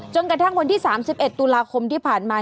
กระทั่งวันที่๓๑ตุลาคมที่ผ่านมา